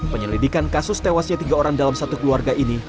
penyelidikan kasus tewasnya tiga orang dalam satu keluarga ini